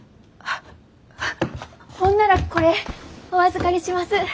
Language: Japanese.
ああっほんならこれお預かりします。